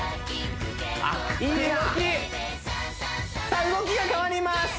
いい動きさあ動きが変わります